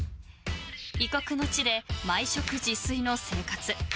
［異国の地で毎食自炊の生活］